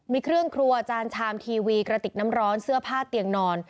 มีเครื่องครัวจานชามทีวีกระติกน้ำร้อนเสื้อผ้าเตียงนอน